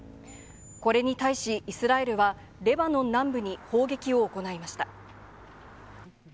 これに対し、イスラエルはレバノン南部に砲撃を行いました。